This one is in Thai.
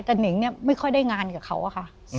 แต่นิงเนี่ยไม่ค่อยได้งานกับเขาอะค่ะ